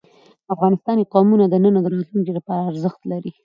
افغانستان کې قومونه د نن او راتلونکي لپاره ارزښت لري.